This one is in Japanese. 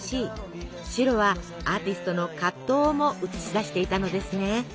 白はアーティストの葛藤をも映し出していたのですね。